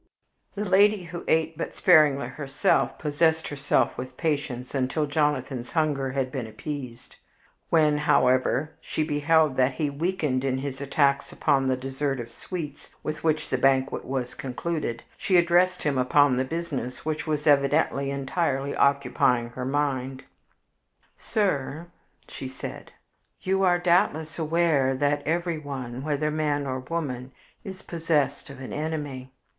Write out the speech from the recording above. The lady, who ate but sparingly herself, possessed herself with patience until Jonathan's hunger had been appeased. When, however, she beheld that he weakened in his attacks upon the dessert of sweets with which the banquet was concluded, she addressed him upon the business which was evidently entirely occupying her mind. "Sir," said she, "you are doubtless aware that everyone, whether man or woman, is possessed of an enemy.